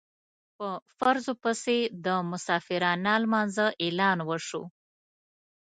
په فرضو پسې د مسافرانه لمانځه اعلان وشو.